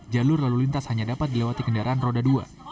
jalur lalu lintas hanya dapat dilewati kendaraan roda dua